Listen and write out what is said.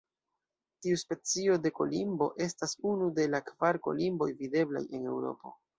Tiu specio de kolimbo estas unu de la kvar kolimboj videblaj en Eŭropo.